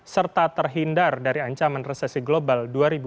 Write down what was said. serta terhindar dari ancaman resesi global dua ribu dua puluh